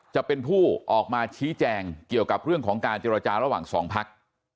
จะเป็นผู้ออกมาชี้แจงเกี่ยวกับเรื่องของการเจรจาระหว่างสองพัก